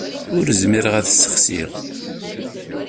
Ur zmireɣ ad t-ssexsiɣ.